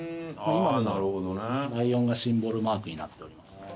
今でもライオンがシンボルマークになっております。